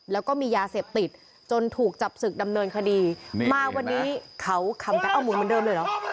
แล้วก็มียาเสพติดจนถูกจับศึกดำเนินคดีมาวันนี้เขาคัมแก๊เอาหมุนเหมือนเดิมเลยเหรอ